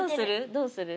どうする？